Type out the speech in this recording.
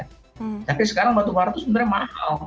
tapi sekarang batu bara itu sebenarnya mahal